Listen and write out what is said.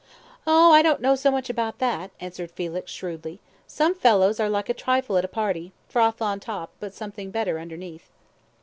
"Oh, I don't know so much about that," answered Felix, shrewdly; "some fellows are like trifle at a party, froth on top, but something better underneath."